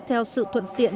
theo sự thuận tiện